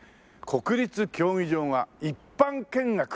国立競技場が一般見学。